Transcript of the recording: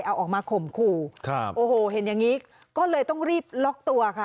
เอาออกมาข่มขู่ครับโอ้โหเห็นอย่างนี้ก็เลยต้องรีบล็อกตัวค่ะ